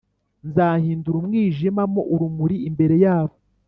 Nzahindura umwijima mo urumuri imbere yabo,